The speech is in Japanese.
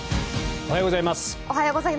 おはようございます。